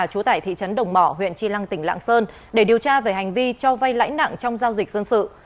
trú tại thị trấn đồng mỏ huyện tri lăng tỉnh lạng sơn để điều tra về hành vi cho vay lãnh nặng trong giao dịch dân sự